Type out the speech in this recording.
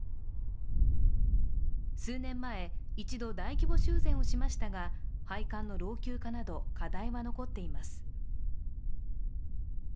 数年前、一度大規模修繕をしましたが配管の老朽化など、課題は残っています。